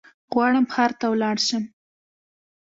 غواړم ښار ته ولاړشم